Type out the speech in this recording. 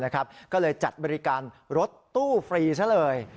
ก็เลยจัดบริการรถตู้ฟรีซะเลย